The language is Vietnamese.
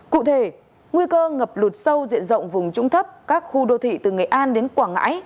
cụ thể nguy cơ ngập lụt sâu diện rộng vùng trũng thấp các khu đô thị từ nghệ an đến quảng ngãi